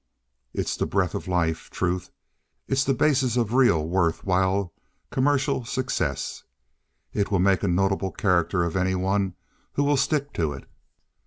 It's the breath of life—truth—it's the basis of real worth, while commercial success—it will make a notable character of any one who will stick to it."